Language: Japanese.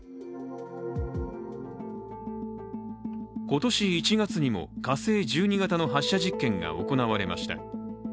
今年１月にも火星１２型の発射実験が行われました。